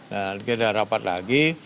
nah kita rapat lagi